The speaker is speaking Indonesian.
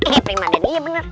eh primadani iya bener